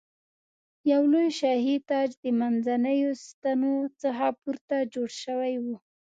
یو لوی شاهي تاج د منځنیو ستنو څخه پورته جوړ شوی و.